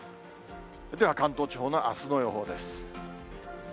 では関東地方のあすの予報です。